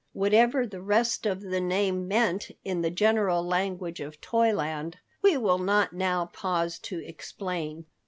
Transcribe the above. Whatever the rest of the name meant in the general language of Toyland, we will not now pause to explain.